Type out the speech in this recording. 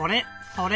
「それ」